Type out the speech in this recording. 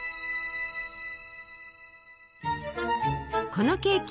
このケーキ